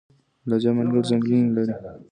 لجه منګل ځنګلونه لري؟